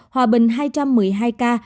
hòa bình hai trăm một mươi hai ca